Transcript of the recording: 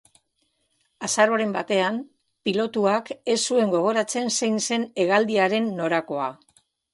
Azaroaren batean, pilotuak ez zuen gogoratzen zein zen hegaldiaren norakoa.